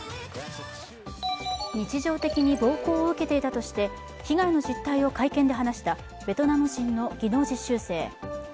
日常的に暴行を受けていたとして被害の実態を会見で話したベトナム人の技能実習生。